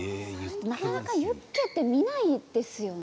なかなかユッケ、見ないですよね。